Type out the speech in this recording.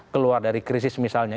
keluar dari krisis misalnya